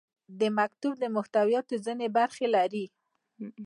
د مکتوب محتویات ځینې برخې لري.